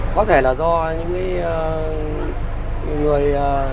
có thể là do những người